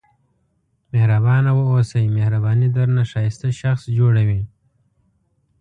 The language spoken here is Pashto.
مهربانه واوسئ مهرباني درنه ښایسته شخص جوړوي.